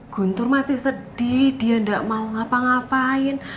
guntur masih sedih dia tidak mau ngapa ngapain